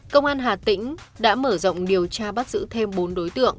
công an hà tĩnh đã mở rộng điều tra bắt giữ thêm bốn đối tượng